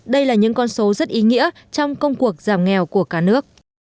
đây là những con số rất ý nghĩa trong công cuộc giảm nghèo của cả nước